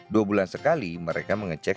dua bulan sekali mereka mengecek